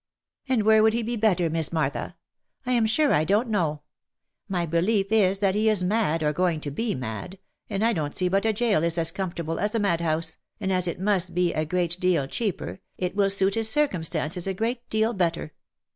" And where could he be better, Miss Martha? I am sure I don't know. My belief is that he is mad, or going to be mad, and I don't see but a jail is as comfortable as a mad house, and as it must be a great deal cheaper, it will suit his circumstances a great deal better.